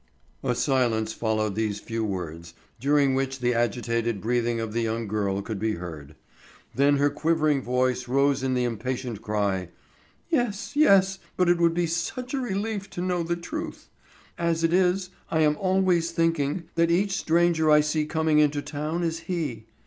A silence followed these few words, during which the agitated breathing of the young girl could be heard. Then her quivering voice rose in the impatient cry: "Yes, yes; but it would be such a relief to know the truth. As it is, I am always thinking that each stranger I see coming into town is he.